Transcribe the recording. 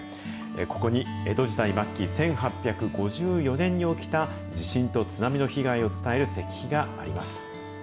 ここに江戸時代末期、１８５４年に起きた地震と津波の被害を伝える石碑があります。